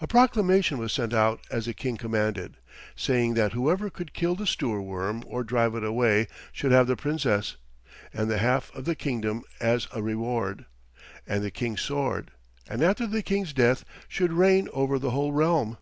A proclamation was sent out as the King commanded, saying that whoever could kill the Stoorworm or drive it away should have the Princess, and the half of the kingdom as a reward, and the King's sword, and after the King's death should reign over the whole realm.